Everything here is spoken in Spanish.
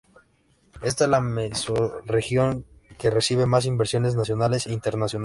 Esta es la mesorregión que recibe más inversiones nacionales e internacionales.